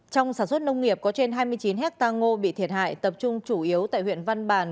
trong sản xuất nông nghiệp có trên hai mươi chín hectare ngô bị thiệt hại tập trung chủ yếu tại huyện văn bàn